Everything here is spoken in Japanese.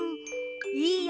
いいよ！